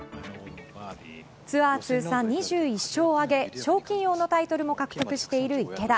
ツアー通算２１勝を挙げ賞金王のタイトルも獲得している池田。